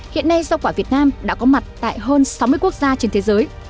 hiện nay rau quả việt nam đã có mặt tại hơn sáu mươi quốc gia trên thế giới